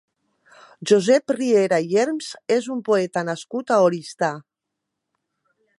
Josep Riera i Herms és un poeta nascut a Oristà.